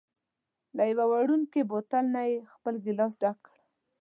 له یوه وړوکي بوتل نه یې خپل ګېلاس ډک کړ.